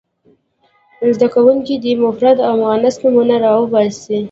زده کوونکي دې مفرد او مؤنث نومونه را وباسي.